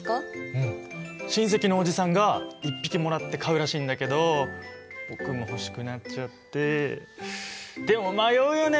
うん親戚のおじさんが１匹もらって飼うらしいんだけど僕も欲しくなっちゃってでも迷うよね